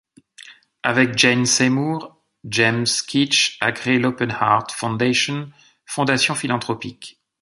Avec Jane Seymour, James Keach a créé l'Open Heart Foundation, fondation philanthropique.